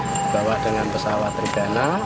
dibawa dengan pesawat trigana